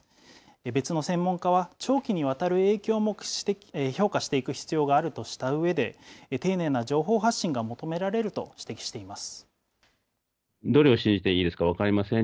別の専門家は、長期にわたる影響も評価していく必要があるとしたうえで、丁寧な情報発信が求められると指摘しています。